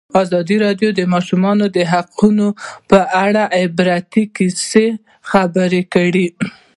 ازادي راډیو د د ماشومانو حقونه په اړه د عبرت کیسې خبر کړي.